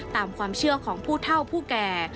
ตามความเชื่อของผู้เท่าผู้แก่